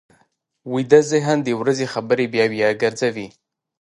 ویده ذهن د ورځې خبرې بیا بیا ګرځوي